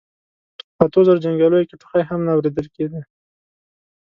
په اتو زرو جنګياليو کې ټوخی هم نه اورېدل کېده.